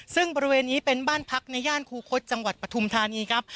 ซึ่งบริเวณนี้เป็นบ้านพักในย่านคูคศจังหวัดปฐุมธานีครับ